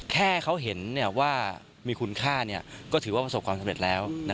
แค่เขาเห็นว่ามีคุณค่าก็ถือว่าประสบความสำเร็จแล้ว